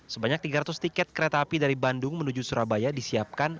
sebanyak tiga ratus tiket kereta api dari bandung menuju surabaya disiapkan